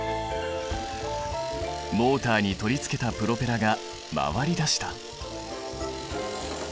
モーターに取り付けたプロペラが回り出した。